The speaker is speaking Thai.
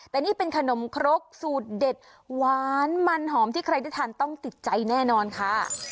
แต่นี่เป็นขนมครกสูตรเด็ดหวานมันหอมที่ใครได้ทานต้องติดใจแน่นอนค่ะ